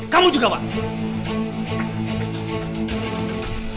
kamu juga wak